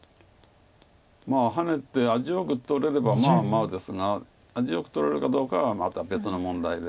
ハネて味よく取れればまあまあですが味よく取れるかどうかはまた別の問題で。